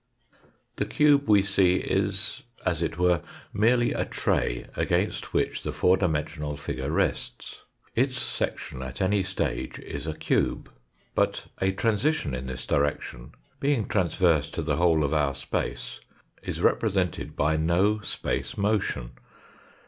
The cube we see is as it were merely a tray against which the four dimensional figure rests. Its section at any stage is a cube. But a transition in this direction being transverse to the whole of our space is represented by no space motion.